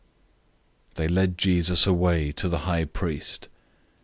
014:053 They led Jesus away to the high priest.